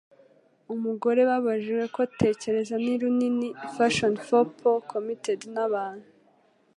Umugore babajijwe ko Tekereza ni runini Fashion Faux Paus Commited n'abantu?